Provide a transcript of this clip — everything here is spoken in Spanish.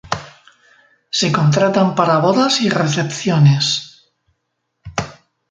Se contratan para bodas y recepciones.